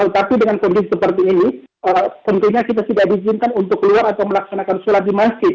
tapi dengan kondisi seperti ini tentunya kita tidak diizinkan untuk keluar atau melaksanakan sholat di masjid